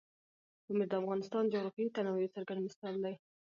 پامیر د افغانستان د جغرافیوي تنوع یو څرګند مثال دی.